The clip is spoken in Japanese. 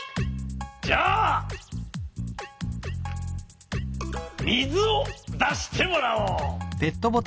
じゃあみずをだしてもらおう。